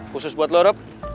khusus buat lo rob